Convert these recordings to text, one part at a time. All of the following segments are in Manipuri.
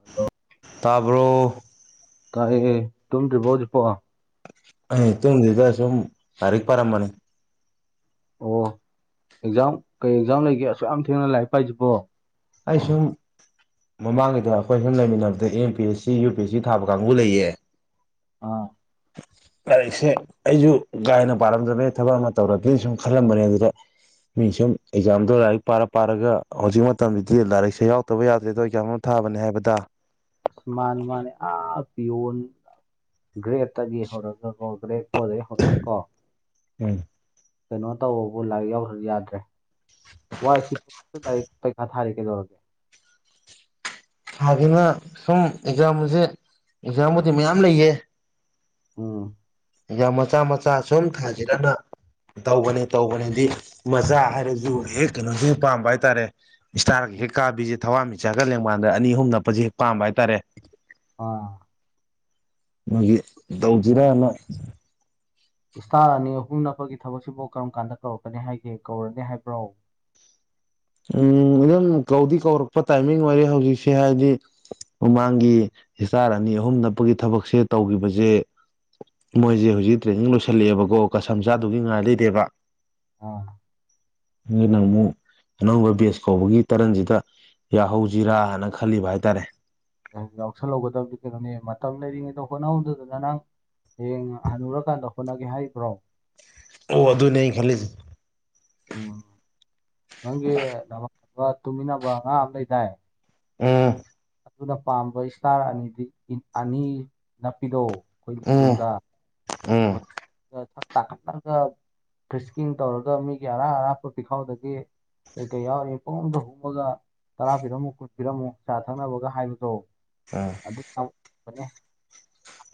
ꯍꯜꯂꯣ ꯇꯥꯕ꯭ꯔꯣ ꯇꯥꯏꯌꯦ ꯇꯨꯝꯗ꯭ꯔꯤꯕꯣ ꯍꯧꯖꯤꯛꯐꯥꯎ ꯑꯩ ꯇꯨꯝꯗ꯭ꯔꯤꯗ ꯁꯨꯝ ꯂꯥꯏꯔꯤꯛ ꯄꯥꯔꯝꯕꯅꯤ ꯑꯣ ꯑꯦꯛꯖꯥꯝ ꯀꯩ ꯑꯦꯛꯖꯥꯝ ꯂꯩꯒꯦ ꯑꯁꯨꯛ ꯌꯥꯝ ꯊꯦꯡꯅ ꯂꯥꯏꯔꯤꯛ ꯄꯥꯏꯁꯤꯕꯣ ꯑꯩ ꯁꯨꯝ ꯃꯃꯥꯡꯒꯤꯗ ꯑꯩꯈꯣꯏ ꯁꯨꯝ ꯂꯩꯃꯤꯟꯅꯕꯗ M P S C U P S C ꯊꯥꯕ ꯀꯥꯡꯕꯨ ꯂꯩꯌꯦ ꯑꯥ ꯂꯥꯏꯔꯤꯛꯁꯦ ꯑꯩꯁꯨ ꯀꯥꯍꯦꯟꯅ ꯄꯥꯜꯔꯝꯗꯕꯅꯦ ꯊꯕꯛ ꯑꯃ ꯇꯧꯔꯗꯤꯅ ꯁꯨꯝ ꯈꯜꯂꯝꯕꯅꯦ ꯑꯗꯨꯗ ꯃꯤ ꯁꯨꯝ ꯑꯦꯛꯖꯥꯝꯗꯣ ꯂꯥꯏꯔꯤꯛ ꯄꯥꯔ ꯄꯥꯔꯒ ꯍꯧꯖꯤꯛ ꯃꯇꯝꯗꯗꯤ ꯂꯥꯏꯔꯤꯛꯁꯦ ꯌꯥꯎ [unintelligible] ꯌꯥꯗꯦꯗ ꯑꯦꯛꯖꯥꯝ ꯑꯃ ꯊꯥꯕꯅꯤ ꯍꯥꯏꯕꯗ ꯃꯥꯅꯤ ꯃꯥꯅꯤ ꯑꯥ ꯄꯤꯑꯣꯟ ꯒ꯭ꯔꯦꯠꯇꯒꯤ ꯍꯧꯔꯛꯒ ꯀꯣ ꯒ꯭ꯔꯦꯛ ꯐꯣꯔꯗꯒꯤ ꯍꯧꯔꯛ ꯀꯣ ꯎꯝ ꯀꯩꯅꯣ ꯇꯧꯕꯕꯨ ꯂꯥꯏꯔꯤꯛ ꯌꯥꯎꯗ꯭ꯔꯗꯤ ꯌꯥꯗ꯭ꯔꯦ ꯋꯥꯏꯁꯤꯠꯄ ꯂꯥꯏꯔꯤꯛ ꯄꯩꯈꯥ ꯊꯥꯔꯦ ꯀꯩꯗꯧꯔꯒꯦ [unintelligible] ꯁꯨꯝ ꯑꯦꯛꯖꯥꯝꯁꯦ ꯑꯦꯛꯖꯥꯝꯕꯨꯗꯤ ꯃꯌꯥꯝ ꯂꯩꯌꯦ ꯎꯝ ꯑꯦꯛꯖꯥꯝ ꯃꯆꯥ ꯃꯆꯥ ꯁꯨꯝ ꯊꯥꯖꯤꯔꯅ ꯇꯧꯕꯅꯦ ꯇꯧꯕꯅꯦꯗꯤ ꯃꯆꯥ ꯍꯥꯏꯔꯁꯨ ꯍꯦꯛ ꯀꯩꯅꯣꯁꯨ ꯃꯨꯛ ꯄꯥꯝꯕ ꯍꯥꯏꯇꯥꯔꯦ ꯏꯁꯇꯥꯔꯒ ꯍꯦꯛ ꯀꯥꯕꯤꯁꯦ ꯊꯋꯥꯟꯃꯤꯆꯥꯛꯒ ꯂꯦꯡꯃꯥꯟꯗ ꯑꯅꯤ ꯑꯍꯨꯝ ꯅꯞꯄꯁꯦ ꯍꯦꯛ ꯄꯥꯝꯕ ꯍꯥꯏꯇꯥꯔꯦ ꯑꯥ ꯑꯗꯨꯒꯤ ꯇꯧꯁꯤꯔꯥꯅ ꯏꯁꯇꯥꯔ ꯑꯅꯤ ꯑꯍꯨꯝ ꯅꯞꯄꯒꯤ ꯊꯕꯛꯁꯤꯕꯨ ꯀꯔꯝ ꯀꯥꯟꯗ ꯀꯧꯔꯛꯀꯅꯤ ꯍꯥꯏꯒꯦ ꯀꯧꯔꯅꯤ ꯍꯥꯏꯕ꯭ꯔꯣ ꯎꯝ ꯑꯗꯨꯝ ꯀꯧꯗꯤ ꯀꯧꯔꯛꯄ ꯇꯥꯏꯃꯤꯡ ꯑꯣꯏꯔꯦ ꯍꯧꯖꯤꯛꯁꯦ ꯍꯥꯏꯗꯤ ꯃꯃꯥꯡꯒꯤ ꯏꯁꯇꯥꯔ ꯑꯅꯤ ꯑꯍꯨꯝ ꯅꯞꯄꯒꯤ ꯊꯕꯛꯁꯦ ꯇꯧꯈꯤꯕꯁꯦ ꯃꯣꯏꯁꯦ ꯍꯧꯖꯤꯛ ꯇ꯭ꯔꯦꯅꯤꯡ ꯂꯣꯏꯁꯜꯂꯛꯑꯦꯕꯀꯣ ꯀꯁꯝ ꯆꯥꯗꯧꯒꯤ ꯉꯥꯏ ꯂꯩꯔꯦꯕ ꯑꯥ ꯑꯗꯨꯅ ꯑꯃꯨꯛ ꯑꯅꯧꯕ ꯕꯦꯁ ꯀꯧꯕꯒꯤ ꯇꯔꯟꯁꯤꯗ ꯌꯥꯍꯧꯁꯤꯔꯥꯅ ꯈꯜꯂꯤꯕ ꯍꯥꯏꯇꯥꯔꯦ ꯌꯥꯎꯁꯜꯍꯧꯒꯗꯕꯗꯤ ꯀꯩꯅꯣꯅꯦ ꯃꯇꯝ ꯂꯩꯔꯤꯉꯩꯗ ꯍꯣꯠꯅꯍꯧꯗꯗ ꯅꯪ ꯍꯌꯦꯡ ꯍꯟꯅꯨꯔꯀꯥꯟꯗ ꯍꯣꯠꯅꯒꯦ ꯍꯥꯏꯔꯤꯕ꯭ꯔꯣ ꯑꯣ ꯑꯗꯨꯅꯦ ꯑꯩ ꯈꯜꯂꯤꯁꯦ ꯎꯝ ꯅꯪꯒꯤ ꯅꯃꯥꯟꯅꯕ ꯇꯨꯃꯤꯟꯅꯕ ꯑꯉꯥꯡ ꯑꯃ ꯂꯩꯗꯥꯏ ꯎꯝ ꯑꯗꯨꯅ ꯄꯥꯝꯕ ꯏꯁꯇꯥꯔ ꯑꯅꯤꯗꯤ ꯑꯅꯤ ꯅꯄꯤꯗꯣ ꯑꯩꯈꯣꯏ ꯎꯝ ꯂꯦꯡꯖꯨꯝꯗ ꯎꯝ ꯁꯛ ꯇꯥꯈꯠꯂꯒ ꯐ꯭ꯔꯤꯁꯀꯤꯡ ꯇꯧꯔꯒ ꯃꯤꯒꯤ ꯑꯔꯥꯛ ꯑꯔꯥꯛꯄ ꯄꯤꯈꯥꯎꯗꯒꯤ ꯀꯩ ꯀꯩ ꯌꯥꯎꯔꯤ ꯄꯨꯡꯍꯨꯝꯗ ꯍꯨꯝꯃꯒ ꯇꯔꯥ ꯄꯤꯔꯝꯃꯨ ꯀꯨꯟ ꯄꯤꯔꯝꯃꯨ ꯆꯥ ꯊꯛꯅꯕꯒ ꯍꯥꯏꯕꯗꯣ ꯎꯝ ꯑꯗꯨ [unintelligible] ꯇꯧꯕꯅꯦ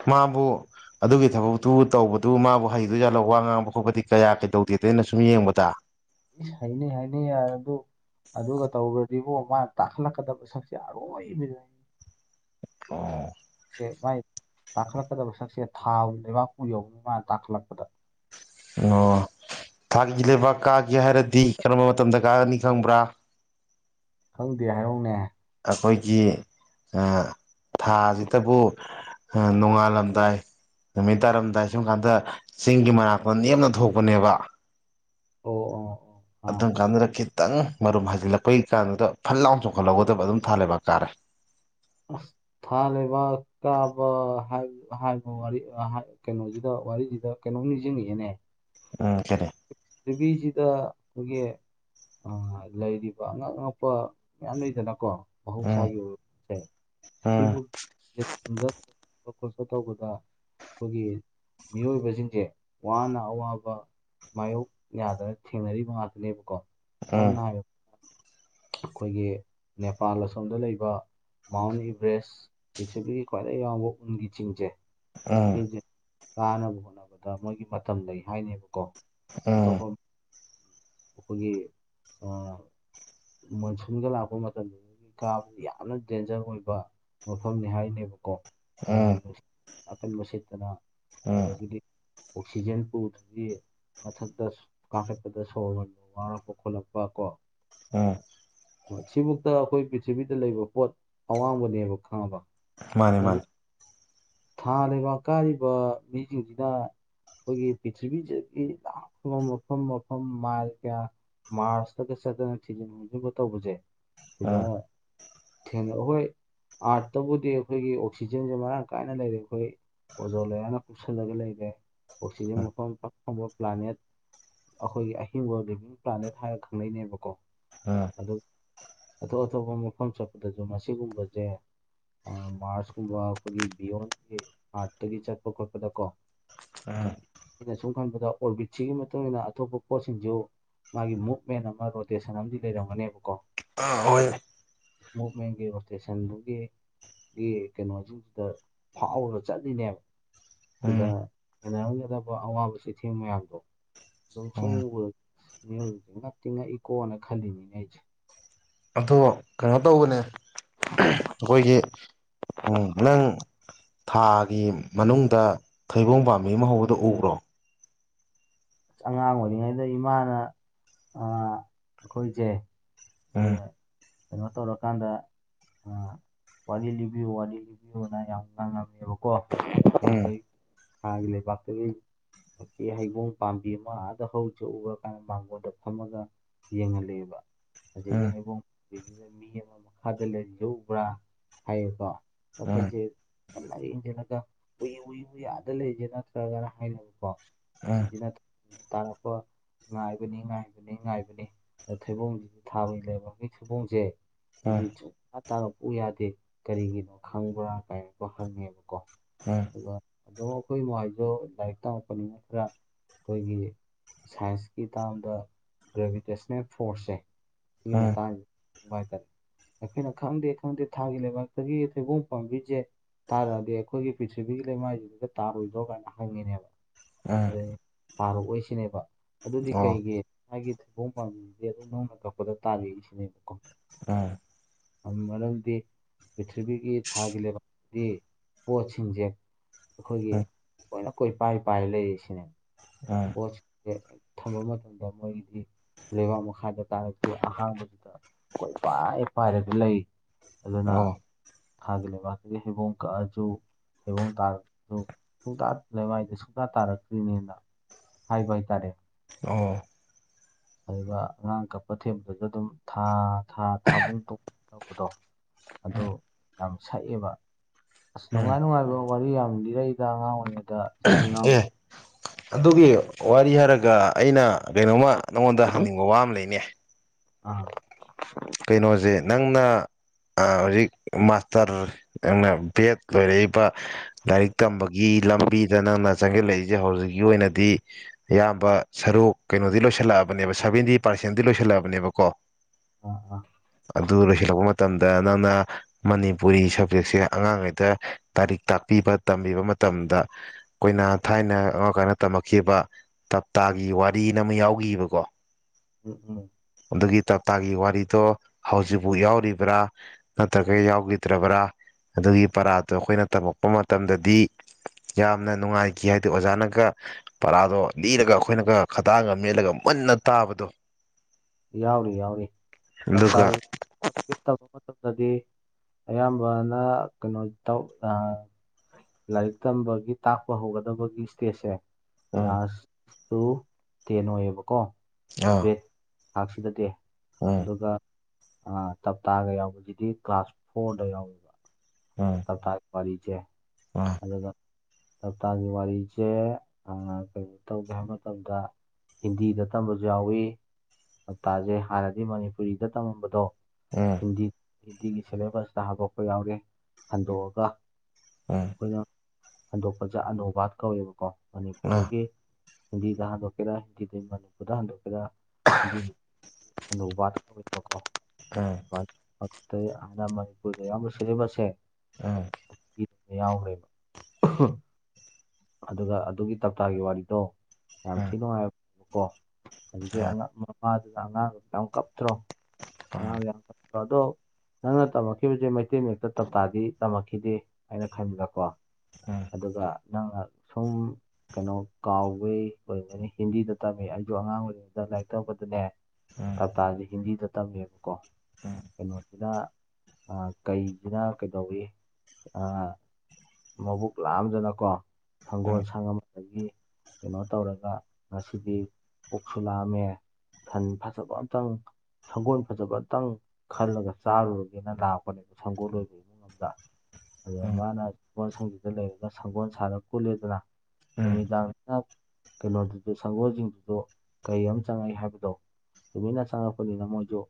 ꯃꯥꯕꯨ ꯑꯗꯨꯒꯤ ꯊꯕꯛꯇꯨꯕꯨ ꯇꯧꯕꯗꯨ ꯃꯥꯕꯨ ꯍꯩꯗꯣꯏ ꯖꯥꯠꯂꯣ ꯋꯥ ꯉꯥꯡꯕ ꯈꯣꯠꯄꯗꯤ ꯀꯌꯥ ꯀꯩꯗꯧꯗꯦꯗ ꯑꯩꯅ ꯁꯨꯝ ꯌꯦꯡꯕꯗ ꯍꯩꯅꯤ ꯍꯩꯅꯤ ꯌꯥꯔꯦ ꯑꯗꯨ ꯑꯗꯨꯒ ꯇꯧꯒ꯭ꯔꯗꯤ ꯏꯕꯨꯡꯉꯣ ꯃꯥꯅ ꯇꯥꯈꯠꯂꯛꯀꯗꯕ ꯁꯛꯁꯦ ꯑꯔꯣꯏꯕꯤꯅꯤ ꯦ ꯚꯏ [unintelligible] ꯇꯥꯈꯠꯂꯛꯀꯗꯕ ꯁꯛꯁꯦ ꯊꯥꯕꯨ ꯂꯩꯕꯥꯛꯄꯨ ꯌꯧꯅꯤ ꯃꯥꯅ ꯇꯥꯈꯠꯂꯛꯄꯗ ꯑꯣ ꯊꯥꯒꯤ ꯂꯩꯕꯥꯛ ꯀꯥꯒꯦ ꯍꯥꯏꯔꯗꯤ ꯀꯔꯝꯕ ꯃꯇꯝꯗ ꯀꯥꯒꯅꯤ ꯈꯪꯕ꯭ꯔꯥ ꯈꯪꯗꯦ ꯍꯥꯏꯔꯛꯎꯅꯦ ꯑꯩꯈꯣꯏꯒꯤ ꯊꯥꯁꯤꯗꯕꯨ ꯑ ꯅꯣꯡꯉꯥꯜꯂꯝꯗꯥꯏ ꯅꯨꯃꯤꯠ ꯇꯥꯔꯝꯗꯥꯏ ꯁꯨꯝ ꯀꯥꯟꯗ ꯆꯤꯡꯒꯤ ꯃꯅꯥꯛꯇ ꯅꯦꯝꯅ ꯊꯣꯛꯄꯅꯦꯕ ꯑꯣ ꯑꯣ ꯑꯗꯨꯝ ꯑꯣ ꯀꯥꯟꯗꯨꯗ ꯈꯤꯇꯪ ꯃꯔꯨꯝ ꯍꯥꯏꯖꯤꯜꯂꯛꯄꯩ ꯀꯥꯟꯗꯨꯗ ꯐꯜ ꯂꯥꯎꯅ ꯆꯣꯡꯈꯠꯍꯧꯒꯗꯕ ꯑꯗꯨꯝ ꯊꯥ ꯂꯩꯕꯥꯛ ꯀꯥꯔꯦ ꯑꯁ ꯊꯥ ꯂꯩꯕꯥꯛ ꯀꯥꯕ ꯍꯥꯏ ꯍꯥꯏꯕ ꯋꯥꯔꯤ ꯑꯍꯥꯏ ꯀꯩꯅꯣꯁꯤꯗ ꯋꯥꯔꯤꯁꯤꯗ ꯀꯩꯅꯣꯝ ꯅꯤꯡꯁꯤꯡ ꯉꯛꯑꯦꯅꯦ ꯑꯥ ꯀꯔꯤ ꯄ꯭ꯔꯤꯊꯤꯕꯤꯁꯤꯗ ꯑꯩꯈꯣꯏꯒꯤ ꯑ ꯍꯣꯏ ꯂꯩꯔꯤꯕ ꯑꯉꯛ ꯑꯉꯛꯄ ꯃꯌꯥꯝ ꯂꯩꯗꯅꯀꯣ ꯎꯝ ꯃꯍꯧꯁꯥꯒꯤ ꯑꯣꯏꯕꯁꯦ ꯎꯝ ꯁꯤꯕꯨ [unintelligible] ꯈꯣꯠꯄ ꯇꯧꯕꯗ ꯑꯩꯈꯣꯏꯒꯤ ꯃꯤꯑꯣꯏꯕꯁꯤꯡꯁꯦ ꯋꯥꯅ ꯑꯋꯥꯕ ꯃꯥꯌꯣꯛ ꯌꯥꯗꯅ ꯊꯦꯡꯅꯔꯤꯕ ꯉꯥꯛꯇꯅꯦꯕꯀꯣ ꯁꯝꯅ ꯍꯥꯏ ꯑꯩꯈꯣꯏꯒꯤ ꯅꯦꯄꯥꯜ ꯑꯁꯣꯝꯗ ꯂꯩꯕ ꯃꯥꯎꯟ ꯏꯕꯔꯦꯁ ꯄ꯭ꯔꯤꯊꯤꯕꯤꯒꯤ ꯈ꯭ꯋꯥꯏꯗꯒꯤ ꯌꯥꯝꯕ ꯎꯟꯒꯤ ꯆꯤꯡꯁꯦ ꯎꯝ ꯁꯤꯁꯦ ꯀꯥꯅꯕ ꯍꯣꯠꯅꯕꯗ ꯃꯣꯏꯒꯤ ꯃꯇꯝ ꯂꯩ ꯍꯥꯏꯅꯦꯕꯀꯣ ꯎꯝ ꯑꯇꯣꯞꯄ ꯑꯩꯈꯣꯏꯒꯤ ꯑꯥ ꯃꯣꯟꯁꯨꯟꯒ ꯂꯥꯛꯄ ꯃꯇꯝ ꯀꯥꯕ ꯌꯥꯝꯅ ꯗꯦꯟꯖꯔ ꯑꯣꯏꯕ ꯃꯐꯝꯅꯤ ꯍꯥꯏꯅꯦꯕꯀꯣ ꯎꯝ ꯅꯣꯡꯂꯩ ꯎꯝ ꯅꯨꯡꯁꯤꯠ ꯑꯀꯟꯕ ꯁꯤꯠꯇꯅ ꯎꯝ ꯑꯗꯒꯤꯗꯤ ꯑꯣꯛꯁꯤꯖꯦꯟ ꯄꯨꯗꯗꯤ ꯃꯊꯛꯇ ꯀꯥꯈꯠꯄꯗ ꯁꯣꯔ ꯍꯣꯟꯕ ꯋꯥꯔꯛꯄ ꯈꯣꯠꯂꯛꯄ ꯀꯣ ꯎꯝ ꯁꯤꯕꯨꯛꯇ ꯑꯩꯈꯣꯏ ꯄ꯭ꯔꯤꯊꯤꯕꯤꯗ ꯂꯩꯕ ꯄꯣꯠ ꯑꯋꯥꯡꯕꯅꯦꯕ ꯈꯪꯉꯕ ꯃꯥꯅꯦ ꯑꯗꯨ ꯃꯥꯅꯦ ꯊꯥ ꯂꯩꯕꯥꯛ ꯀꯥꯔꯤꯕ ꯃꯤꯁꯤꯡꯁꯤꯅ ꯑꯩꯈꯣꯏꯒꯤ ꯄ꯭ꯔꯤꯊꯕꯤꯁꯤꯗꯒꯤ ꯂꯥꯞꯄꯕ ꯃꯐꯝ ꯃꯐ ꯐꯝ ꯃꯥꯏꯜ ꯀꯌꯥ ꯃꯥꯔꯁꯇꯒ ꯆꯠꯇꯅ ꯊꯤꯖꯤꯟ ꯍꯨꯝꯖꯤꯟꯕ ꯇꯧꯕꯁꯦ ꯁꯤꯗ ꯎꯝ ꯊꯦꯡꯅ ꯑꯩꯈꯣꯏ ꯑꯥꯔꯠꯇꯕꯨꯗꯤ ꯑꯩꯈꯣꯏꯒꯤ ꯑꯣꯛꯁꯤꯖꯦꯟꯁꯦ ꯃꯔꯥꯡ ꯀꯥꯏꯅ ꯂꯩꯔꯦ ꯑꯩꯈꯣꯏ ꯑꯣꯖꯣꯟ ꯂꯌꯥꯔꯅ ꯀꯨꯞꯁꯜꯂꯒ ꯂꯩꯔꯦ ꯑꯣꯛꯁꯤꯖꯦꯟ ꯎꯝ ꯃꯐꯝ ꯐꯕ ꯄ꯭ꯂꯥꯅꯦꯠ ꯑꯩꯈꯣꯏꯒꯤ ꯑꯍꯤꯡꯕ ꯂꯤꯚꯤꯡ ꯄ꯭ꯂꯥꯅꯦꯠ ꯍꯥꯏꯔꯒ ꯈꯪꯅꯩꯅꯦꯕꯀꯣ ꯎꯝ ꯑꯗꯨ ꯑꯇꯣꯞ ꯑꯇꯣꯞꯄ ꯃꯐꯝ ꯆꯠꯄꯗꯁꯨ ꯃꯁꯤꯒꯨꯝꯕꯖꯦ ꯑꯥ ꯃꯥꯔꯁꯀꯨꯝꯕ ꯑꯩꯈꯣꯏꯒꯤ ꯕꯤꯌꯣꯟꯇꯦ ꯑꯥꯔꯠꯇꯒꯤ ꯆꯠꯄ ꯈꯣꯠꯄꯗ ꯀꯣ ꯎꯝ ꯑꯩꯅ ꯁꯨꯝ ꯈꯟꯕꯗ ꯑꯣꯔꯕꯤꯠꯁꯤꯒꯤ ꯃꯇꯨꯡ ꯏꯟꯅ ꯑꯇꯣꯞꯄ ꯄꯣꯠꯁꯤꯡꯁꯨ ꯃꯥꯒꯤ ꯃꯨꯞꯃꯦꯟ ꯑꯃ ꯔꯣꯇꯦꯁꯟ ꯑꯃꯗꯤ ꯂꯩꯔꯝꯒꯅꯦꯕꯀꯣ ꯑꯥ ꯍꯣꯏ ꯃꯨꯞꯃꯦꯟꯒꯤ ꯔꯣꯇꯦꯁꯟꯗꯨꯒꯤ ꯒꯤ ꯀꯩꯅꯣꯁꯤꯡꯁꯤꯗ ꯐꯥꯎꯔꯒ ꯆꯠꯂꯤꯅꯦꯕ ꯎꯝ ꯁꯤꯗ ꯍꯦꯟꯅꯔꯝꯒꯗꯕ ꯑꯋꯥꯕ ꯆꯩꯊꯦꯡ ꯃꯌꯥꯝꯗꯣ ꯑꯗꯨꯝ ꯁꯨꯝ ꯎꯝ ꯎꯕꯥ ꯃꯤꯑꯣꯏꯕꯁꯦ ꯉꯛꯇꯤ ꯉꯛꯏꯀꯣꯅ ꯈꯜꯂꯤꯅꯤꯅꯦ ꯑꯩꯁꯦ ꯑꯗꯣ ꯀꯩꯅꯣ ꯇꯧꯕꯅꯦ ꯑꯩꯈꯣꯏꯒꯤ ꯎꯝ ꯅꯪ ꯊꯥꯒꯤ ꯃꯅꯨꯡꯗ ꯊꯩꯕꯣꯡ ꯄꯥꯝꯕꯤ ꯑꯃ ꯍꯧꯕꯗꯣ ꯎꯕ꯭ꯔꯣ ꯑꯁ ꯑꯉꯥꯡ ꯑꯣꯏꯔꯤꯉꯩꯗ ꯏꯃꯥꯅ ꯑꯥ ꯑꯩꯈꯣꯏꯁꯦ ꯎꯝ ꯑꯩꯩ ꯀꯩꯅꯣ ꯇꯧꯔꯀꯥꯟꯗ ꯑ ꯋꯥꯔꯤ ꯂꯤꯕꯤꯌꯨ ꯋꯥꯔꯤ ꯂꯤꯕꯤꯌꯨꯅ ꯌꯥꯝ ꯉꯥꯡꯉꯝꯃꯦꯕ ꯀꯣ [unintelligible] ꯎꯝ ꯊꯥꯒꯤ ꯂꯩꯕꯥꯛꯇꯒꯤ ꯑꯁꯤꯍꯩꯕꯣꯡ ꯄꯥꯝꯕꯤ ꯃ ꯑꯥꯗ ꯍꯧꯔꯤꯆꯦ ꯎꯕ ꯀꯟ ꯃꯥꯡꯒꯣꯟꯗ ꯐꯝꯃꯒ ꯌꯦꯡꯍꯜꯂꯦꯕ ꯑꯗꯒꯤ ꯎꯝ ꯍꯩꯕꯣꯡ ꯕꯤꯖꯤꯗ ꯃꯤ ꯑꯃ ꯃꯈꯥꯗ ꯂꯩꯖꯦ ꯎꯕ꯭ꯔꯥ ꯍꯥꯏꯌꯦꯀꯣ ꯎꯝ ꯑꯈꯣꯏꯖꯦ ꯂꯩꯏ ꯑꯦꯡꯖꯦꯜꯂꯒ ꯎꯏꯌꯦ ꯎꯏꯌꯦ ꯎꯏꯌꯦ ꯑꯗ ꯂꯩꯖꯦ ꯅꯠꯇ꯭ꯔꯥꯒꯅ ꯍꯥꯏꯔꯒꯀꯣ ꯎꯝ ꯁꯤꯕꯤꯅꯠ ꯇꯔꯛꯄ ꯉꯥꯏꯕꯅꯦ ꯉꯥꯏꯕꯅꯦ ꯉꯥꯏꯕꯅꯦ ꯑ ꯊꯩꯕꯣꯡꯖꯤꯖꯨ ꯊꯥꯎꯒꯤ ꯂꯩꯕꯛꯀꯤ ꯊꯩꯕꯣꯡꯖꯦ ꯎꯝ ꯁꯤꯗꯤ ꯁꯨꯡꯇ ꯇꯥꯔꯛꯎ ꯌꯥꯗꯦ ꯀꯔꯤꯒꯤꯅꯣ ꯈꯪꯕ꯭ꯔꯥ ꯀꯥꯏꯟꯀꯣ ꯍꯪꯉꯦꯕꯀꯣ ꯎꯝ ꯗꯨꯒ ꯑꯗꯨꯝ ꯑꯈꯣꯏ ꯏꯃꯥꯏꯗꯣ ꯂꯥꯏꯔꯤꯛ ꯇꯝꯃꯛꯄꯅꯤꯅ ꯈꯔ ꯈꯣꯏꯒꯤ ꯁꯥꯏꯟꯁꯀꯤ ꯇꯥꯝꯗ ꯒ꯭ꯔꯦꯕꯤꯇꯦꯁꯅꯦꯜ ꯐꯣꯔꯁꯁꯦ ꯁꯤꯒꯤ ꯎꯝ ꯃꯇꯪꯖꯤ ꯅꯨꯡꯉꯥꯏꯇꯝ ꯑꯩꯈꯣꯏꯅ ꯈꯪꯗꯦ ꯈꯪꯗꯦ ꯊꯥꯒꯤ ꯂꯩꯕꯥꯛꯇꯒꯤ ꯊꯩꯕꯣꯡ ꯄꯥꯝꯕꯤꯖꯦ ꯇꯥꯔꯛꯑꯗꯤ ꯑꯩꯈꯣꯏꯒꯤ ꯄ꯭ꯔꯤꯊꯤꯕꯤꯒꯤ ꯂꯩꯃꯥꯏꯖꯤꯗꯒ ꯇꯥꯍꯣꯏꯗ꯭ꯔꯣ ꯀꯥꯏꯅ ꯍꯪꯉꯤꯅꯦꯕ ꯎꯝ ꯑꯗꯩ ꯇꯥꯔꯛꯑꯣꯏꯁꯤꯅꯦꯕ ꯑꯗꯨꯗꯤ ꯑꯣ ꯀꯩꯒꯤ ꯑꯩꯒꯤ ꯊꯩꯕꯣꯡ ꯄꯥꯝꯕꯤꯖꯤꯗꯤ ꯑꯗꯨꯝ ꯅꯨꯡꯃ ꯀꯛꯄꯗ ꯇꯥꯔꯛꯏ ꯁꯤꯅꯦꯕꯀꯣ ꯑꯥ ꯃꯔꯝꯗꯤ ꯄ꯭ꯔꯤꯊꯤꯕꯤꯒꯤ ꯊꯥꯒꯤ ꯂꯩꯕꯛ ꯒꯤ ꯄꯣꯠꯁꯤꯡꯖꯦ ꯑꯩꯈꯣꯏꯒꯤ ꯎꯝ ꯑꯣꯏꯅ ꯀꯣꯏꯄꯥꯏ ꯄꯥꯏꯔ ꯂꯩꯔꯤ ꯁꯤꯅꯦ ꯑꯥ ꯄꯣꯠꯁꯤꯡꯖꯦ ꯊꯝꯕ ꯃꯇꯝꯗ ꯃꯣꯏꯒꯤꯗꯤ ꯂꯩꯕꯥꯛ ꯃꯈꯥꯗ ꯇꯥꯔꯛꯇꯦ ꯑꯍꯥꯡꯕꯗꯨꯗ ꯀꯣꯏꯄꯥꯏ ꯄꯥꯏꯔꯒ ꯂꯩ ꯑꯗꯨꯅ ꯑꯣ ꯊꯥꯒꯤ ꯂꯩꯕꯛꯇꯒꯤ ꯍꯩꯕꯣꯡ ꯀꯥꯛꯑꯖꯨ ꯍꯩꯕꯣꯡ ꯇꯔꯛ ꯇꯣ ꯁꯨꯡꯇꯥ ꯂꯩꯃꯥꯏꯗ ꯁꯨꯡꯇꯥ ꯇꯥꯔꯛꯇ꯭ꯔꯤꯅꯦꯅ ꯍꯥꯏꯕ ꯍꯥꯏꯇꯥꯔꯦ ꯑꯣ ꯑꯗꯨꯒ ꯑꯉꯥꯡ ꯀꯥꯞꯄ ꯊꯦꯝꯕꯗꯗꯨꯝ ꯊꯥ ꯊꯥ ꯊꯥꯕꯨꯡ ꯇꯣꯟ ꯇꯧꯕꯗꯣ ꯑꯗꯣ ꯌꯥꯝ ꯁꯛꯑꯦꯕ ꯑꯁ ꯎꯝ ꯅꯨꯡꯉꯥꯏ ꯅꯨꯡꯉꯥꯏꯕ ꯋꯥꯔꯤ ꯌꯥꯝ ꯂꯤꯔꯛꯏꯗ ꯑꯉꯥꯡ ꯑꯣꯏꯔꯤꯉꯩꯗ ꯏꯆꯤꯟ ꯏꯅꯥꯎ ꯑꯦ ꯑꯗꯨꯒꯤ ꯋꯥꯔꯤ ꯍꯥꯏꯔꯒ ꯑꯩꯅ ꯀꯩꯅꯣꯝꯃ ꯅꯪꯉꯣꯟꯗ ꯍꯪꯅꯤꯡꯕ ꯋꯥ ꯑꯃ ꯂꯩꯅꯦ ꯑꯥ ꯀꯩꯅꯣꯖꯦ ꯅꯪꯅ ꯑꯥ ꯍꯧꯖꯤꯛ ꯃꯥꯁꯇꯔ ꯅꯪꯅ ꯕꯦꯠ ꯂꯣꯏꯔꯛꯏꯕ ꯂꯥꯏꯔꯤꯛ ꯇꯝꯕꯒꯤ ꯂꯝꯕꯤꯗ ꯅꯪꯅ ꯆꯪꯖꯤꯜꯂꯛꯏꯖꯦ ꯍꯧꯖꯤꯛꯀꯤ ꯑꯣꯏꯅꯗꯤ ꯑꯌꯥꯝꯕ ꯁꯔꯨꯛ ꯀꯩꯅꯣꯗꯤ ꯂꯣꯏꯁꯤꯜꯂꯛꯑꯕꯅꯦꯕ ꯁꯕꯦꯟꯇꯤ ꯄꯥꯔꯁꯦꯟꯗꯤ ꯂꯣꯏꯁꯤꯜꯂꯛꯑꯕꯅꯦꯕꯀꯣ ꯑꯥ ꯑꯥ ꯑꯗꯨ ꯂꯣꯏꯁꯤꯜꯂꯛꯄ ꯃꯇꯝꯗ ꯅꯪꯅ ꯃꯅꯤꯄꯨꯔꯤ ꯁꯞꯖꯦꯛꯁꯦ ꯑꯉꯥꯡꯉꯩꯗ ꯇꯔꯤꯛ ꯇꯥꯛꯄꯤꯕ ꯇꯝꯕꯤꯕ ꯃꯇꯝꯗ ꯀꯣꯏꯅ ꯊꯥꯏꯅ ꯑꯉꯥꯡ ꯑꯣꯏꯀꯟꯗ ꯇꯝꯃꯛꯈꯤꯕ ꯇꯞꯇꯥꯒꯤ ꯋꯥꯔꯤꯅ ꯑꯃ ꯌꯥꯎꯒꯤꯕꯀꯣ ꯎꯝ ꯎꯝ ꯑꯗꯨꯒꯤ ꯇꯞꯇꯥꯒꯤ ꯋꯥꯔꯤꯗꯣ ꯍꯧꯖꯤꯛꯕꯣꯛ ꯌꯥꯎꯔꯤꯕ꯭ꯔꯥ ꯅꯠꯇ꯭ꯔꯒ ꯌꯥꯎꯒꯤꯗ꯭ꯔꯕ꯭ꯔꯥ ꯑꯗꯨꯒꯤ ꯄꯔꯥꯗꯣ ꯑꯈꯣꯏꯅ ꯇꯝꯃꯛꯄ ꯃꯇꯝꯗꯗꯤ ꯌꯥꯝꯅ ꯅꯨꯡꯉꯥꯏꯈꯤ ꯍꯥꯏꯗꯤ ꯑꯣꯖꯥꯅꯒ ꯄꯔꯥꯗꯣ ꯂꯤꯔꯒ ꯑꯈꯣꯏꯅꯒ ꯈꯗꯥꯡꯒ ꯃꯦꯠꯂꯒ ꯃꯨꯟꯅ ꯇꯥꯕꯗꯣ ꯌꯥꯎꯔꯤ ꯌꯥꯎꯔꯤ ꯑꯗꯨꯒ ꯇꯞꯇꯥꯒꯤ ꯍꯧꯖꯤꯛ ꯇꯝꯕ ꯃꯇꯝꯗꯗꯤ ꯑꯌꯥꯝꯕꯅ ꯀꯩꯅꯣ ꯇꯧ ꯑꯥ ꯂꯥꯏꯔꯤꯛ ꯇꯝꯕꯒꯤ ꯇꯥꯛꯄ ꯍꯧꯒꯗꯕꯒꯤ ꯏꯁꯇꯦꯖꯁꯦ ꯎꯝ ꯀ꯭ꯂꯥꯁ ꯇꯨ ꯇꯦꯟ ꯑꯣꯏꯌꯦꯕꯀꯣ ꯑꯧ ꯕꯦꯠ ꯊꯥꯛꯁꯤꯗꯗꯤ ꯑꯗꯨꯒ ꯑ ꯇꯞꯇꯥꯒ ꯌꯥꯎꯕꯖꯤꯗꯤ ꯀ꯭ꯂꯥꯁ ꯐꯣꯔꯗ ꯌꯥꯎꯕ ꯑꯝ ꯇꯞꯇꯥꯒꯤ ꯋꯥꯔꯤꯖꯦ ꯑꯗꯨꯒ ꯇꯞꯇꯥꯒꯤ ꯋꯥꯔꯤ ꯀꯩ ꯇꯧꯒꯦ ꯍꯥꯏꯕ ꯃꯇꯝꯗ ꯍꯤꯟꯗꯤꯗ ꯇꯝꯕꯖꯨ ꯌꯥꯎꯏ ꯇꯞꯇꯥꯖꯦ ꯍꯥꯟꯅꯗꯤ ꯃꯅꯤꯄꯨꯔꯤꯗ ꯇꯝꯃꯝꯕꯗꯣ ꯎꯝ ꯍꯤꯟꯗꯤ ꯍꯤꯟꯗꯤꯒꯤ ꯁꯦꯂꯦꯕꯁꯇ ꯍꯥꯞꯇꯣꯛꯄ ꯌꯥꯎꯔꯦ ꯍꯟꯗꯣꯛꯑꯒ ꯎꯝ ꯑꯗꯨꯅ ꯍꯟꯗꯣꯛꯄꯖꯦ ꯑꯅꯨꯕꯥꯠ ꯀꯧꯋꯦꯕꯀꯣ ꯑꯥ ꯃꯅꯤꯄꯨꯔꯗꯒꯤ ꯍꯤꯟꯗꯤꯗ ꯍꯟꯗꯣꯛꯀꯦꯔ ꯍꯤꯟꯗꯤꯗ ꯃꯅꯤꯄꯨꯔꯗ ꯍꯟꯗꯣꯛꯀꯦꯔ ꯍꯤꯟꯗꯤꯒꯤ ꯑꯅꯨꯕꯥꯠ ꯀꯧꯑꯦꯕꯀꯣ ꯑꯝ ꯑꯇꯩ ꯑꯅ ꯃꯅꯤꯄꯨꯔꯗ ꯌꯥꯎꯔꯝꯕ ꯁꯤꯂꯦꯕꯁꯁꯦ ꯑꯝ ꯏ ꯌꯥꯎꯈ꯭ꯔꯦꯕ ꯑꯗꯨꯒ ꯑꯗꯨꯒꯤ ꯇꯞꯇꯥꯒꯤ ꯋꯥꯔꯤꯗꯣ ꯌꯥꯝ ꯎꯝ ꯊꯤ ꯑꯥ ꯅꯨꯡꯉꯥꯏꯕꯀꯣ ꯍꯧꯖꯤꯛꯀꯤ ꯑꯉꯥꯡ ꯃꯥꯗꯨꯗ ꯑꯉꯥꯡ ꯌꯥꯝ ꯀꯞꯇ꯭ꯔꯣ ꯎꯝ ꯑꯉꯥꯡꯗ ꯌꯥꯝ ꯀꯞꯇ꯭ꯔꯣ ꯑꯗꯣ ꯅꯪꯅ ꯇꯝꯃꯛꯈꯤꯕꯖꯦ ꯃꯩꯇꯩ ꯃꯌꯦꯛꯇ ꯇꯞꯇꯥꯗꯤ ꯇꯝꯃꯛꯈꯤꯗꯦ ꯑꯩꯅ ꯈꯟꯕꯗꯀꯣ ꯎꯝ ꯑꯗꯨꯒ ꯅꯪꯅ ꯁꯨꯝ ꯀꯩꯅꯣ ꯀꯥꯎꯕꯩ ꯑꯣꯏꯔꯝꯒꯅꯤ ꯍꯤꯟꯗꯤꯗ ꯇꯝꯃꯤ ꯑꯩꯖꯨ ꯑꯉꯥꯡ ꯑꯣꯏꯔꯤꯉꯩꯗ ꯂꯥꯏꯔꯤꯛ ꯇꯝꯃꯛꯕꯗꯅꯦ ꯎꯝ ꯎꯝ ꯇꯞꯇꯥꯖꯤ ꯍꯤꯟꯗꯤꯗ ꯇꯝꯃꯦꯕꯀꯣ ꯀꯩꯅꯣꯁꯤꯅ ꯑ ꯀꯩꯖꯤꯅ ꯀꯩꯗꯧꯏ ꯑꯥ ꯃꯕꯨꯛ ꯂꯥꯝꯗꯅꯀꯣ ꯁꯪꯒꯣꯜ ꯎꯝ ꯁꯪ ꯑꯃ ꯑꯗꯒꯤ ꯀꯩꯅꯣ ꯇꯧꯔꯒ ꯉꯁꯤꯗꯤ ꯄꯨꯛꯁꯨ ꯂꯥꯝꯃꯦ ꯁꯟ ꯐꯖꯕ ꯑꯝꯇꯪ ꯁꯒꯣꯜ ꯐꯖꯕꯝꯇꯪ ꯈꯜꯂꯒ ꯆꯥꯔꯨꯔꯒꯦꯅ ꯂꯥꯛꯄꯅꯦꯕ ꯁꯒꯣꯜ ꯂꯣꯏꯕꯒꯤ ꯑꯗꯨꯗ ꯎꯝ ꯃꯥꯅ ꯁꯒꯣꯜ ꯁꯪꯖꯤꯗ ꯂꯩꯔꯒ ꯁꯒꯣꯜ ꯁꯥꯔ ꯀꯨꯜꯂꯦꯗꯅ ꯅꯨꯃꯤꯗꯥꯡꯗꯅ ꯀꯩꯅꯣꯗꯨꯗ ꯁꯪꯒꯣꯜꯖꯤꯡꯗꯨꯖꯨ ꯀꯩ ꯑꯃ ꯆꯪꯉꯛꯏ ꯍꯥꯏꯕꯗꯣ ꯇꯧꯃꯤꯟꯅ ꯆꯪꯉꯛꯄꯅꯤꯅ ꯃꯣꯏꯖꯨ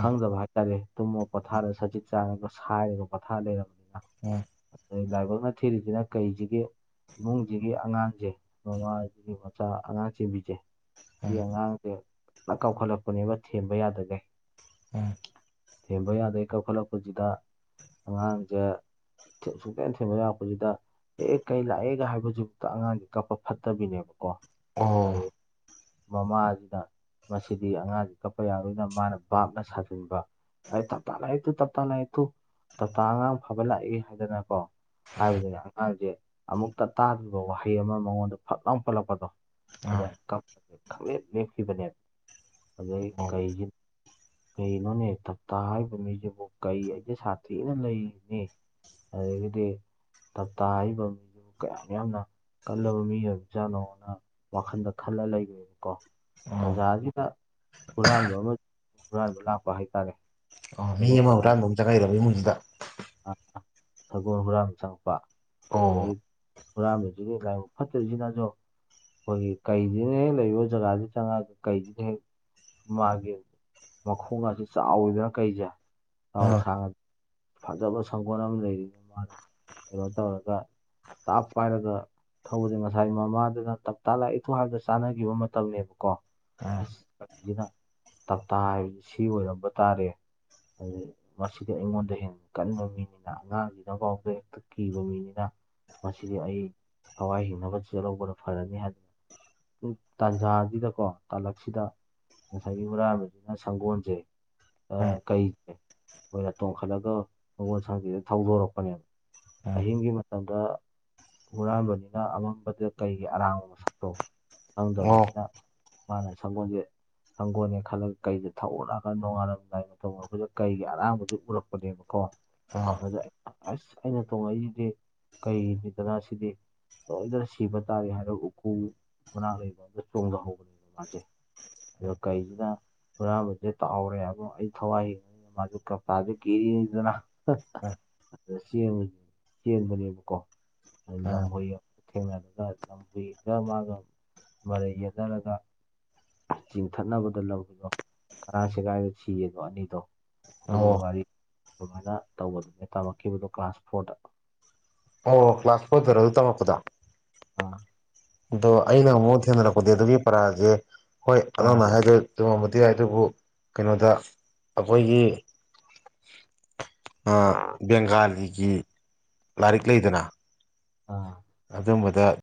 ꯈꯪꯗꯕ ꯍꯥꯏꯇꯥꯔꯦ ꯇꯨꯝꯃꯣ ꯄꯣꯊꯥꯗ ꯁꯖꯤꯛ ꯆꯥꯔꯒ ꯁꯥꯏꯔꯒ ꯄꯣꯊꯥ ꯂꯩꯔꯝ ꯎꯝ ꯑꯗꯩ ꯂꯥꯏꯕꯛꯅ ꯊꯤꯔꯤꯖꯤꯅ ꯀꯩꯖꯤꯒꯤ ꯏꯃꯨꯡꯖꯤꯒꯤ ꯑꯉꯥꯡꯖꯦ ꯃꯃꯥꯖꯤꯒꯤ ꯃꯆꯥ ꯑꯉꯥꯡ ꯆꯦꯟꯕꯤꯖꯦ ꯎꯝ ꯎꯝ ꯁꯤ ꯎꯝ ꯑꯉꯥꯡꯖꯦ ꯀꯥꯟꯅ ꯀꯞꯈꯠꯂꯛꯄꯅꯦꯕ ꯊꯦꯝꯕ ꯌꯥꯗꯈꯩ ꯎꯝ ꯊꯦꯝꯕ ꯌꯥꯗꯈꯩ ꯀꯞꯈꯠꯂꯛꯄꯁꯤꯗ ꯑꯉꯥꯡꯖꯦ ꯁꯨꯛꯊꯦꯝ ꯊꯦꯝꯕ ꯂꯥꯛꯄꯁꯤꯗ ꯑꯦ ꯀꯩ ꯂꯥꯛꯑꯦꯒ ꯍꯥꯏꯕꯖꯤꯕꯨꯛꯇ ꯑꯉꯥꯡꯖꯤ ꯀꯥꯞꯄ ꯐꯠꯇꯕꯤꯅꯦꯕꯀꯣ ꯑꯗꯨ ꯑꯣ ꯃꯃꯥꯖꯤꯗ ꯃꯁꯤꯗꯤ ꯑꯉꯥꯡꯁꯤ ꯀꯞꯄ ꯌꯥꯔꯣꯏꯅ ꯃꯥꯅ ꯕꯥꯞꯅ ꯁꯥꯖꯤꯟꯕ ꯑꯩ ꯇꯞꯇꯥ ꯂꯥꯛꯑꯦꯇꯨ ꯇꯞꯇꯥ ꯂꯥꯛꯑꯦꯇꯨ ꯇꯞꯇꯥ ꯑꯉꯥꯡ ꯐꯥꯕ ꯂꯥꯛꯑꯦ ꯍꯥꯏꯗꯅꯀꯣ ꯍꯥꯏꯕꯗꯨꯅꯦ ꯑꯉꯥꯡꯖꯦ ꯑꯃꯨꯛꯇ ꯇꯥꯗ꯭ꯔꯤꯕ ꯋꯥꯍꯩ ꯑꯃ ꯃꯉꯣꯟꯗ ꯐꯠ ꯂꯥꯎ ꯄꯜꯂꯛꯄꯗꯣ ꯑꯥ ꯑꯗꯩ ꯀꯞ ꯈꯪꯂꯦꯞ ꯂꯦꯞꯈꯤꯕꯅꯦꯕ ꯑꯗꯩ ꯑꯣ ꯀꯩꯖꯤꯅ ꯀꯩꯅꯣꯅꯦ ꯇꯞꯇꯥ ꯍꯥꯏꯔꯤꯕ ꯃꯤꯖꯤꯕꯨ ꯀꯩ ꯑꯩꯁꯦ ꯁꯥꯊꯤꯅ ꯂꯩꯔꯤꯅꯦ ꯑꯗꯒꯤꯗꯤ ꯇꯞꯇꯥꯥ ꯍꯥꯏꯕ ꯀꯌꯥꯝ ꯌꯥꯝꯅ ꯀꯜꯂꯕ ꯃꯤ ꯑꯣꯏꯕꯖꯥꯠꯅꯣꯅ ꯋꯥꯈꯜꯗ ꯈꯜꯂ ꯂꯩꯒ꯭ꯔꯦꯕꯀꯣ ꯑꯣ ꯇꯥꯟꯖꯥꯖꯤꯗ ꯍꯨꯔꯥꯟꯕ ꯑꯃ ꯍꯨꯔꯥꯟꯕ ꯂꯥꯛꯄ ꯍꯥꯏꯇꯥꯔꯦ ꯑꯣ ꯃꯤ ꯁꯒꯣꯜ ꯑꯃ ꯍꯨꯨꯔꯥꯟꯕ ꯑꯃꯨ ꯆꯪꯉꯛꯏꯕ ꯏꯃꯨꯡꯖꯤꯗ ꯑ ꯁꯒꯣꯜ ꯍꯨꯔꯥꯟꯕ ꯆꯪꯉꯛꯄ ꯑꯗꯩ ꯑꯣ ꯍꯨꯔꯥꯟꯕꯖꯤꯗꯤ ꯂꯥꯏꯃꯨꯛ ꯐꯠꯇꯖꯤꯅꯖꯨ ꯈꯣꯏꯒꯤ ꯀꯩꯖꯤꯅ ꯍꯦꯛ ꯂꯩꯕ ꯖꯒꯥꯖꯤ ꯆꯪꯉꯛꯑꯒ ꯀꯩꯖꯤꯅ ꯍꯦꯛ ꯃꯥꯒꯤ ꯃꯈꯣꯡ ꯑꯖꯦ ꯆꯥꯎꯋꯤꯗꯅꯥ ꯀꯩꯖꯦ ꯆꯥꯎ ꯑꯥ ꯁꯥꯡꯉ ꯐꯖꯕ ꯁꯪꯒꯣꯜ ꯑꯃ ꯂꯩꯔꯤꯅꯦ ꯃꯥꯅ ꯀꯩꯅꯣ ꯇꯧꯔꯒ ꯇꯥꯞ ꯄꯥꯏꯔꯒ ꯊꯧꯕꯗꯤ ꯉꯁꯥꯏ ꯃꯃꯥꯗꯨꯅ ꯇꯞꯇꯥ ꯂꯥꯛꯏ ꯊꯣꯡ ꯍꯥꯡꯇꯣꯑꯣ ꯆꯥꯅꯒꯤꯕ ꯃꯇꯝꯅꯦꯕꯀꯣ ꯑ ꯀꯩꯖꯤꯅ ꯇꯞꯇꯥ ꯍꯥꯏꯕꯖꯤ ꯁꯤ ꯑꯣꯏꯔꯝꯕ ꯇꯥꯔꯦ ꯑꯗꯩ ꯃꯁꯤꯗꯤ ꯑꯩꯉꯣꯟꯗꯩ ꯍꯦꯟ ꯀꯟꯕ ꯃꯤꯅꯤꯅ ꯑꯉꯥꯡꯖꯤꯅꯐꯥꯎꯗ ꯍꯦꯛꯇ ꯀꯤꯕ ꯃꯤꯅꯤꯅ ꯃꯁꯤꯗꯤ ꯑꯩ ꯊꯋꯥꯏ ꯍꯤꯡꯅꯕ ꯆꯦꯜꯂꯧꯕꯅ ꯐꯔꯅꯤ ꯍꯥꯏ ꯖꯨ ꯇꯥꯟꯖꯥꯖꯤꯗꯀꯣ ꯇꯥꯂꯛꯁꯤꯗ ꯉꯁꯥꯏꯒꯤ ꯍꯨꯔꯥꯥꯟꯕꯖꯤꯅ ꯁꯪꯒꯣꯟꯖꯦ ꯑ ꯑꯥ ꯀꯩ ꯑꯣꯏꯅ ꯇꯣꯡꯈꯠꯂꯒ ꯁꯪꯒꯣꯜ ꯁꯪꯖꯤꯗ ꯊꯧꯗꯣꯔꯛꯄꯅꯦ ꯑꯥ ꯑꯍꯤꯡꯒꯤ ꯃ ꯇꯝꯗ ꯍꯨꯔꯥꯟꯕꯖꯤꯅ ꯑꯃꯝꯕꯗ ꯀꯩꯒꯤ ꯑꯔꯥꯡꯕ ꯃꯁꯛꯇꯣ ꯑꯣ ꯈꯪꯗꯕꯅꯤꯅ ꯃꯥꯅ ꯁꯪꯒꯣꯟꯖꯦ ꯁꯪꯒꯣꯜꯅꯦ ꯈꯜꯂꯒ ꯀꯩꯖꯦ ꯊꯧꯔꯥꯒ ꯅꯣꯡꯉꯥꯜꯂꯝꯗꯥꯏ ꯃꯇꯝ ꯑꯣꯏꯔꯛꯄꯗꯨ ꯀꯩꯒꯤ ꯑꯔꯥꯡꯕꯗꯨ ꯎꯔꯛꯄꯅꯦꯕꯀꯣ ꯑ ꯑꯗ ꯑꯁ ꯑꯩꯅ ꯇꯣꯉꯛꯏꯖꯤꯗꯤ ꯀꯩꯅꯤꯗꯅꯥ ꯁꯤꯗꯤ ꯁꯣꯏꯗꯅ ꯁꯤꯕ ꯇꯥꯔꯦ ꯍꯥꯏꯔ ꯎꯀꯨ ꯃꯅꯥꯛ ꯂꯩꯕ ꯑꯝꯗ ꯆꯣꯡꯗꯍꯧꯕꯅꯦ ꯃꯥꯖꯦ ꯔ ꯀꯩꯖꯤꯅ ꯍꯨꯔꯟꯕꯖꯦ ꯇꯥꯑꯧꯔꯦ ꯑꯃꯨꯛ ꯑꯩ ꯊꯋꯥꯏ ꯍꯤꯡ ꯃꯥꯖꯨ ꯀꯞꯇꯥꯖꯨ ꯀꯤꯔꯤꯅꯤꯗꯅꯥ ꯍ ꯍ ꯑꯗ ꯆꯦꯡ ꯆꯦꯟꯕꯅꯦꯕꯀꯣ ꯑꯗ ꯑꯥ ꯂꯝꯍꯨꯏ ꯊꯦꯡꯅꯗ ꯂꯝꯍꯨꯏꯒ ꯃꯥꯒ ꯃꯔꯩ ꯌꯦꯠꯅꯔꯒ ꯆꯤꯡꯊꯠꯅꯕꯗ ꯂꯝꯍꯨꯏꯗꯣ ꯀꯔꯥꯡ ꯁꯦꯒꯥꯏꯔ ꯁꯤꯌꯦꯗꯣ ꯑꯅꯤꯗꯣ ꯑꯗꯨꯒꯤ ꯑꯣ ꯋꯥꯔꯤ ꯑꯗꯨꯃꯥꯏꯅ ꯇꯧꯕꯗꯨꯅꯦ ꯇꯥꯝꯃꯛꯈꯤꯕꯗꯣ ꯀ꯭ꯂꯥꯁ ꯐꯣꯔꯗ ꯑꯧ ꯀ꯭ꯂꯥꯁ ꯐꯣꯔꯗꯔ ꯑꯗꯨ ꯇꯝꯃꯛꯄꯗꯣ ꯑꯥ ꯑꯗꯣ ꯑꯩꯅ ꯑꯃꯨꯛ ꯊꯦꯡꯅꯔꯛꯄꯗꯤ ꯑꯗꯨꯒꯤ ꯄꯔꯥꯖꯦ ꯍꯣꯏ ꯑꯥ ꯑꯗꯣꯝꯅ ꯍꯥꯏꯖꯦ ꯆꯨꯃꯝꯕꯗꯤ ꯌꯥꯏ ꯑꯗꯨꯕꯨ ꯀꯩꯅꯣꯗ ꯑꯈꯣꯏꯒꯤ ꯑ ꯕꯦꯡꯒꯥꯂꯤꯒꯤ ꯂꯥꯏꯔꯤꯛ ꯂꯩꯗꯅꯥ ꯑꯥ ꯑꯗꯨꯝꯕꯗ